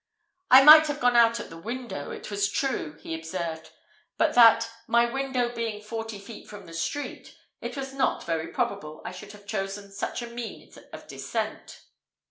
"I might have got out at the window, it was true," he observed; "but that, my window being forty feet from the street, it was not very probable I should have chosen such a means of descent."